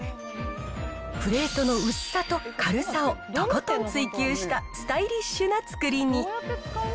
プレートの薄さと軽さをとことん追求したスタイリッシュな造りに。